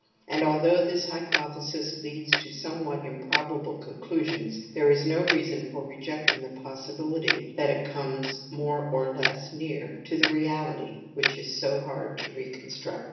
And although this hypothesis leads to somewhat improbable conclusions, there is no reason for rejecting the possibility that it comes more or less near to the reality which is so hard to reconstruct.